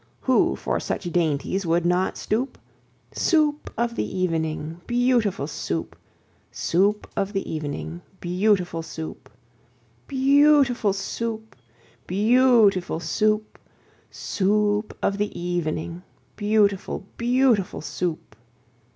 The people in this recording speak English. Who for such dainties would not stoop? Soup of the evening, beautiful Soup! Soup of the evening, beautiful Soup! Beau ootiful Soo oop! Beau ootiful Soo oop! Soo oop of the e e evening, Beautiful, beautiful Soup!